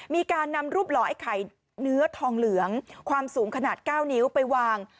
มีการนำรูปหล่อไอ้ไข่เนื้อทองเหลืองความสูงขนาด๙นิ้วไปวาง